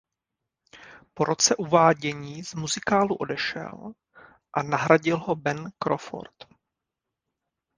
Po roce uvádění z muzikálu odešel a nahradil ho Ben Crawford.